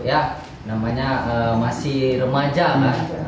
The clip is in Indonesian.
ya namanya masih remaja mbak